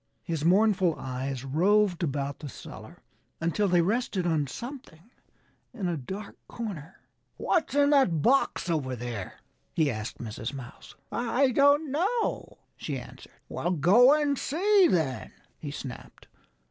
His mournful eyes roved about the cellar until they rested on something in a dark corner. "What's in that box over there?" he asked Mrs. Mouse. "I don't know," she answered. "Well go and see, then!" he snapped.